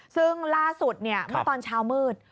ซึ่งล่าสุดเมื่อตอนเช้ามืด